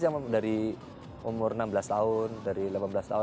yang dari umur enam belas tahun dari delapan belas tahun juga sudah ada